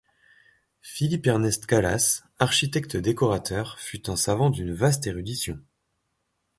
Philippe Ernest Kalas, architecte-décorateur fut un savant d’une vaste érudition.